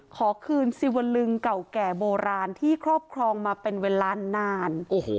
ขอคืนสิวลึงเก่าแก่โบราณที่ครอบครองมาเป็นเวลานาน